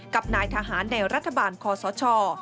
กับนายทหารในรัฐบาลคอสช